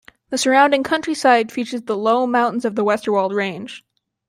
The surrounding countryside features the low mountains of the Westerwald range.